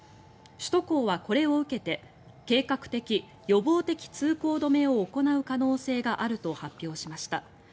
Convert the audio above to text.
首都高はこれを受けて計画的・予防的通行止めを行う可能性があると発表しました。